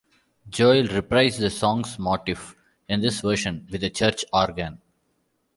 Joel reprised the song's motif in this version with a church organ.